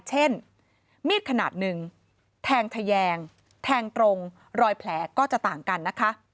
เช่นมีดขนาดหนึ่งแทงทะแยงแทงตรงรอยแผลก็จะต่างกันนะคะ